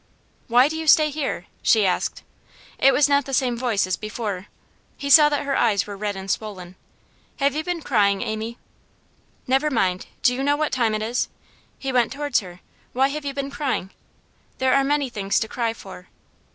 'Why do you stay here?' she asked. It was not the same voice as before. He saw that her eyes were red and swollen. 'Have you been crying, Amy?' 'Never mind. Do you know what time it is?' He went towards her. 'Why have you been crying?' 'There are many things to cry for.